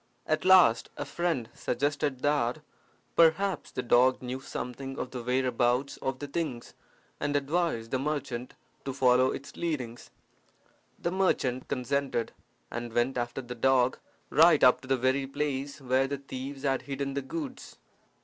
At last a friend suggested that, perhaps, the dog knew something of the whereabouts of the things, and advised the merchant to follow its leadings. The merchant consented, and went after the dog right up to the very place where the thieves had hidden the goods.